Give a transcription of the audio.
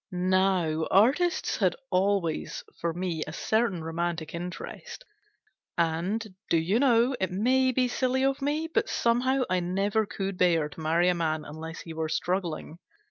Now, artists had always for me a certain romantic interest ; and, do you know, it may be silly of me, bat somehow I never could bear to marry a man unless he were struggling.